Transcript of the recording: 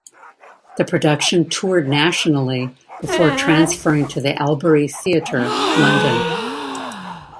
The production toured nationally before transferring to the Albery Theatre, London.